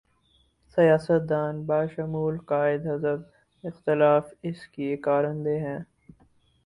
سیاست دان بشمول قائد حزب اختلاف اس کے کارندے ہیں۔